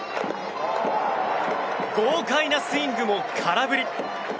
豪快なスイングも、空振り。